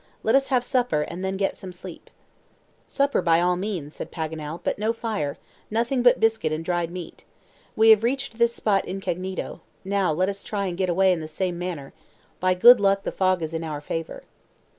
Let us have supper and then get some sleep." "Supper by all means," said Paganel, "but no fire; nothing but biscuit and dried meat. We have reached this spot incognito, let us try and get away in the same manner. By good luck, the fog is in our favor."